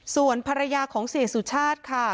ส่วนภรรยาของเสียสุชาติค่ะ